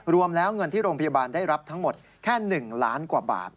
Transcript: รวมแล้วเงินที่โรงพยาบาลได้รับทั้งหมดแค่๑ล้านกว่าบาท